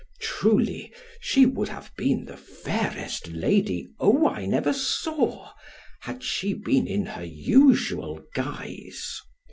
Truly she would have been the fairest lady Owain ever saw, had she been in her usual guise.